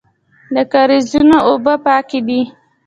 د کاریزونو اوبه پاکې دي